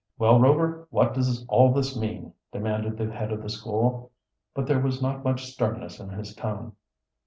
"Well, Rover, what does all this mean?" demanded the head of the school, but there was not much sternness in his tone.